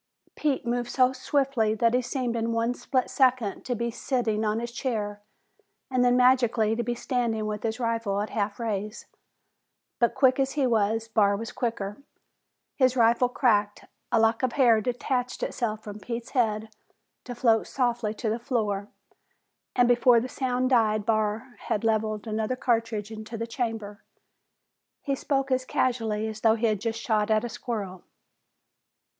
Pete moved so swiftly that he seemed in one split second to be sitting on his chair and then, magically, to be standing with his rifle at half raise. But quick as he was, Barr was quicker. His rifle cracked, a lock of hair detached itself from Pete's head to float softly to the floor, and before the sound died Barr had levered another cartridge into the chamber. He spoke as casually as though he had just shot at a squirrel.